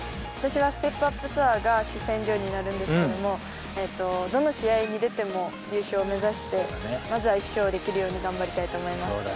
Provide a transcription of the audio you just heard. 今年はステップアップツアーが主戦場になるんですけどもどの試合に出ても優勝を目指してまずは１勝できるように頑張りたいと思います。